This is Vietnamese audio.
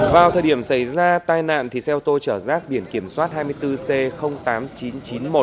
vào thời điểm xảy ra tai nạn xe ô tô chở rác biển kiểm soát hai mươi bốn c tám